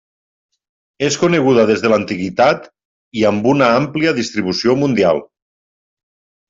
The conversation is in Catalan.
És coneguda des de l'antiguitat i amb una àmplia distribució mundial.